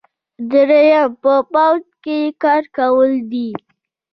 دریم په پوځ کې کار کول دي.